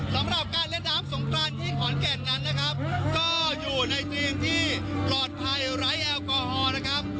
สำหรับการเล่นน้ำสงกรานที่ขอนแก่นนั้นนะครับก็อยู่ในทีมที่ปลอดภัยไร้แอลกอฮอล์นะครับ